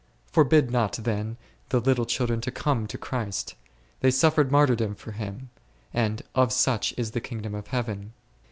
Forbid not then the little children to come to Christ ; they suffered martyrdom for Him, and of such is the kingdom of Heaven.